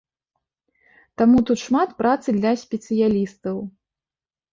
Таму тут шмат працы для спецыялістаў.